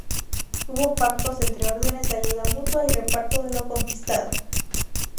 Hubo pactos entre órdenes de ayuda mutua y reparto de lo conquistado.